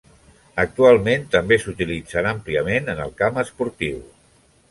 Actualment també s'utilitzen àmpliament en el camp esportiu.